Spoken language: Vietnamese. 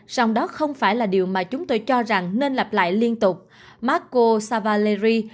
song đó không phải là điều mà chúng tôi cho rằng nên lặp lại liên tục marco savaleri